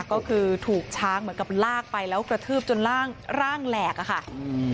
ก็คือถูกช้างเหมือนกับลากไปแล้วกระทืบจนร่างร่างแหลกอะค่ะอืม